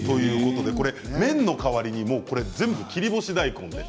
麺の代わりに全部切り干し大根で。